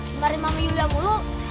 semari mama julia mulu